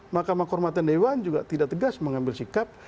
makam kehormatan dewa juga tidak tegas mengambil sikap